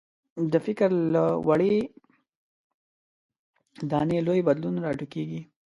د فکر له وړې دانې لوی بدلون راټوکېږي.